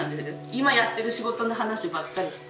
今やってる仕事の話ばっかりして。